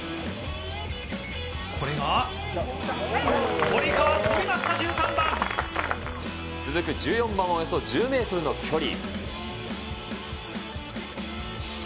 これが、堀川、続く１４番はおよそ１０メートルの距離。